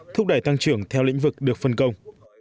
thúc đẩy tăng trưởng theo lĩnh vực được phân công